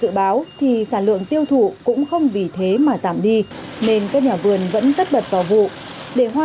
dự báo thì sản lượng tiêu thụ cũng không vì thế mà giảm đi nên các nhà vườn vẫn tất bật vào vụ để hoa